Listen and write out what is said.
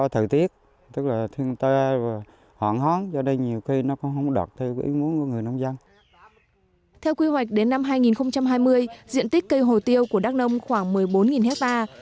theo quy hoạch đến năm hai nghìn hai mươi diện tích cây hồ tiêu của đắk nông khoảng một mươi bốn hectare